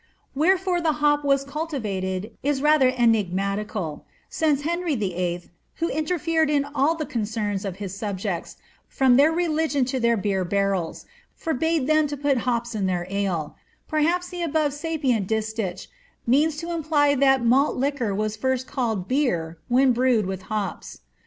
Wherefore the hop was cultivated is rather enigmatical, since Henry VIIL, who interfered in all the concerns of his subjects, from their religion to their beer barrels, fort)ade them to put hops in their ale ; perhaps the above sapient distich means to imply that malt liquor was first called leer when brewed with hops.